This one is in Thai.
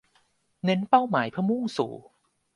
เน้นเป้าหมายเพื่อมุ่งสู่